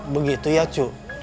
begitu ya cu